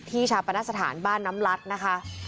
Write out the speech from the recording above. ชาปนสถานบ้านน้ำลัดนะคะ